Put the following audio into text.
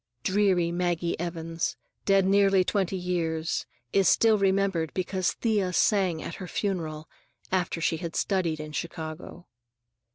Dreary Maggie Evans, dead nearly twenty years, is still remembered because Thea sang at her funeral "after she had studied in Chicago."